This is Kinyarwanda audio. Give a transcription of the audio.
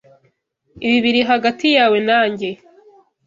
Ibi biri hagati yawe nanjye.